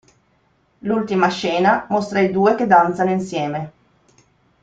L'ultima scena mostra i due che danzano insieme.